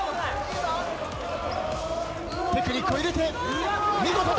テクニックを入れて見事だ！